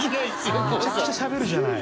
むちゃくちゃしゃべるじゃない。